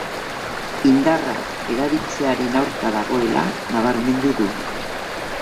Indarra erabiltzearen aurka dagoela nabarmendu du.